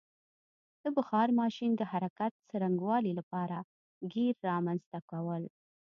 د بخار ماشین د حرکت څرنګوالي لپاره ګېر رامنځته کول.